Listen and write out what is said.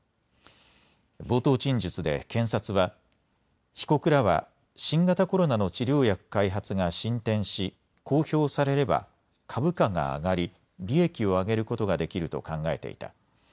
冒頭陳述で検察は、被告らは新型コロナの治療薬開発が進展し公表されれば株価が上がり利益を上げることができると考えていた。